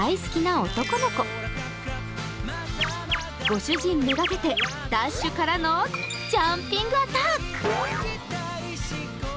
ご主人目がけてダッシュからのジャンピングアタック！